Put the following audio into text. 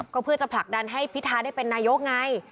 ก็เพื่อจะผลักดันให้พิทาได้เป็นนายกไง